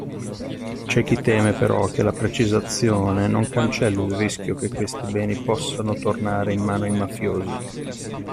C'è chi teme, però, che la precisazione non cancelli il rischio che questi beni possano tornare in mano ai mafiosi.